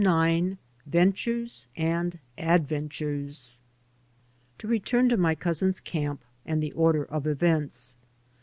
\ IX VENTURES AND ADVENTURES TO return to my cousin's camp and the order of events.